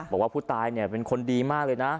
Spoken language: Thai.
บอกว่าผู้ตายเป็นคนดีมากเลยนะ